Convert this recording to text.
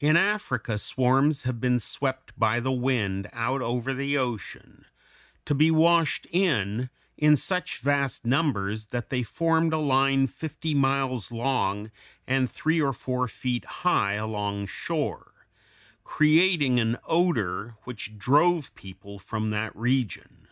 In Africa swarms have been swept by the wind out over the ocean, to be washed in in such vast numbers that they formed a line fifty miles long and three or four feet high alongshore, creating an odor which drove people from that region.